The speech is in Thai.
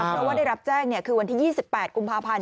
เพราะว่าได้รับแจ้งคือวันที่๒๘กุมภาพันธ์